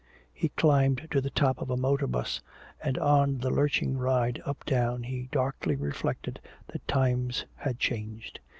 He climbed to the top of a motor 'bus, and on the lurching ride uptown he darkly reflected that times had changed.